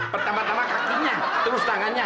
pertama tama kakinya terus tangannya